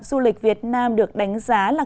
du lịch việt nam được đánh giá là